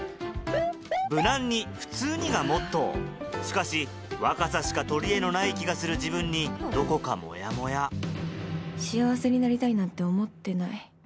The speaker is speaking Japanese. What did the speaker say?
「無難に普通に」がモットーしかし若さしか取りえのない気がする自分にどこかモヤモヤ幸せになりたいなんて思ってない